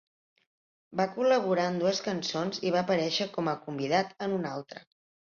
Va col·laborar en dues cançons i va aparèixer com a convidat en una altra.